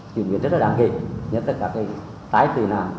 tình nguyện rất là đáng ghê nhất là cả cái tái tươi nào